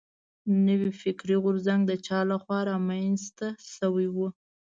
نوی فکري غورځنګ د چا له خوا را منځ ته شوی و.